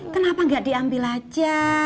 kenapa gak diambil aja